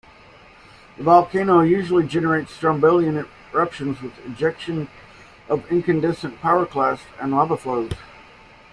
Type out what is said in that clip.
The volcano usually generates strombolian eruptions with ejection of incandescent pyroclasts and lava flows.